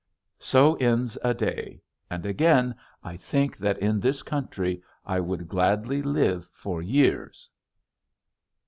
So ends a day; and again I think that in this country I would gladly live for years.